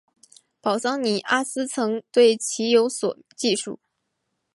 保桑尼阿斯曾对其有所记述。